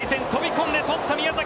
三塁線、飛び込んで捕った宮崎。